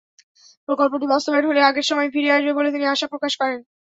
প্রকল্পটি বাস্তবায়ন হলে আগের সময় ফিরে আসবে বলে তিনি আশা প্রকাশ করেন।